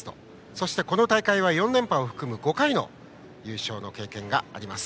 そしてこの大会は４連覇を含む５回の優勝経験があります。